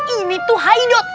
ini tuh haidot